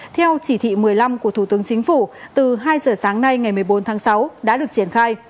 theo chỉ thị một mươi năm của thủ tướng chính phủ từ hai giờ sáng nay ngày một mươi bốn tháng sáu đã được triển khai